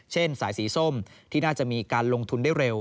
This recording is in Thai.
สายสีส้มที่น่าจะมีการลงทุนได้เร็ว